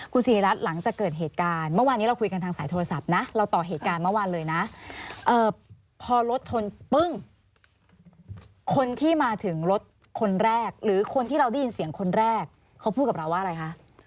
คุณศรีรัตน์หลังจากเกิดเหตุการณ์